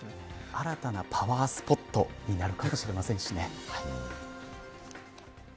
新たなパワースポットになるかもしれませんね。